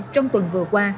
trong tuần vừa qua